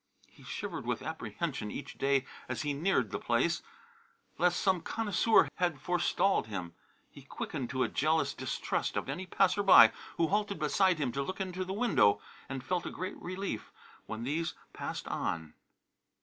He shivered with apprehension each day as he neared the place, lest some connoisseur had forestalled him. He quickened to a jealous distrust of any passerby who halted beside him to look into the window, and felt a great relief when these passed on.